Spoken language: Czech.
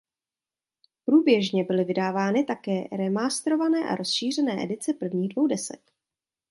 Průběžně byly vydávány také remasterované a rozšířené edice prvních dvou desek.